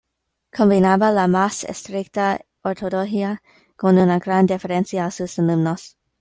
Combinaba la más estricta ortodoxia con una gran deferencia a sus alumnos.